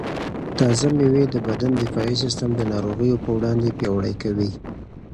تازه مېوې د بدن دفاعي سیسټم د ناروغیو پر وړاندې پیاوړی کوي.